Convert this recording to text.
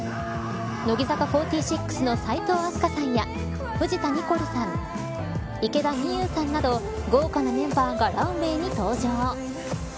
乃木坂４６の齋藤飛鳥さんや藤田ニコルさん池田美優さんなど豪華なメンバーがランウェイに登場。